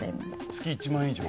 月１万円以上？